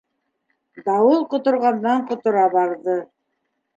Дауыл ҡоторғандан-ҡотора барҙы.